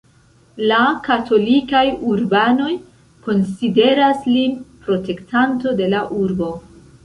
La katolikaj urbanoj konsideras lin protektanto de la urbo.